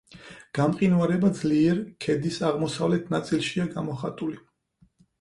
გამყინვარება ძლიერ ქედის აღმოსავლეთ ნაწილშია გამოხატული.